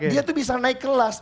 dia tuh bisa naik kelas